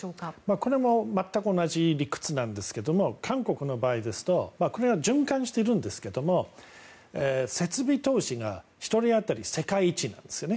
これも全く同じ理屈なんですが韓国の場合ですとこれは循環しているんですが設備投資が１人当たり世界一なんですよね。